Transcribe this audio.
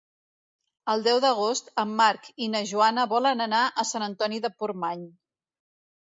El deu d'agost en Marc i na Joana volen anar a Sant Antoni de Portmany.